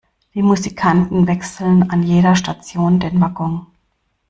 Die Musikanten wechselten an jeder Station den Wagon.